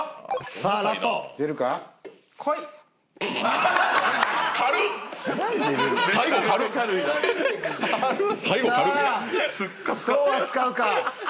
さあどう扱うか。